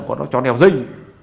con đó cho nèo rinh